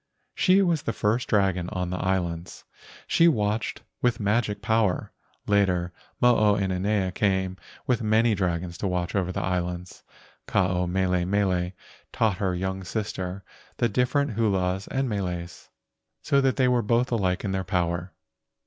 She was the first dragon on the islands. She watched with magic power. Later, Mo o inanea came with many dragons to watch over the islands. Ke ao mele mele taught her young sister the different hulas and meles, so that they were both alike in their power.